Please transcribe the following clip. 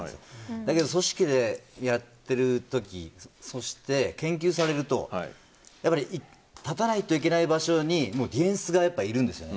だけど組織でやってる時そして、研究されるとやっぱり立たないといけない場所にディフェンスがいるんですよね。